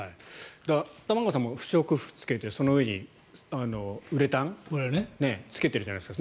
玉川さんも不織布を着けてそのうえにウレタンを着けてるじゃないですか。